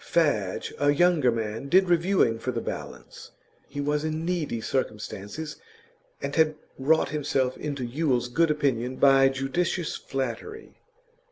Fadge, a younger man, did reviewing for The Balance; he was in needy circumstances, and had wrought himself into Yule's good opinion by judicious flattery.